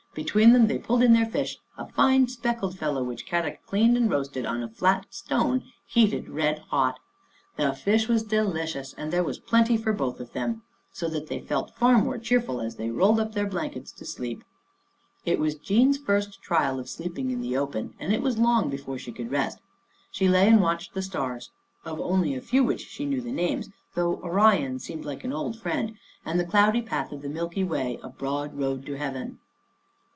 Be tween them they pulled in their fish, a fine, speck led fellow which Kadok cleaned and roasted on a flat stone heated red hot. The fish was deli 124 Our Little Australian Cousin cious, and there was plenty for both of them, so that they felt far more cheerful as they rolled up their blankets to sleep. It was Jean's first trial of sleeping in the open, and it was long before she could rest. She lay and watched the stars, of only a few of which she knew the names, though Orion seemed like an old friend and the cloudy path of the Milky Way a broad road to Heaven.